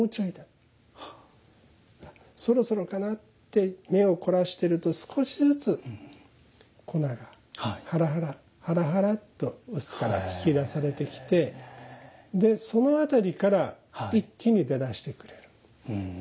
そろそろかなって目を凝らしてると少しずつ粉がはらはらはらはらと臼からひき出されてきてそのあたりから一気に出だしてくれる。